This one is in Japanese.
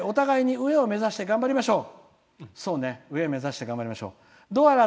上を目指して頑張りましょう。